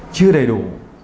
chưa đầy đủ